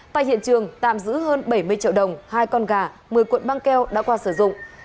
tại hiện trường tạm giữ hơn bảy mươi triệu đồng hai con gà một mươi cuộn băng keo đã qua sử dụng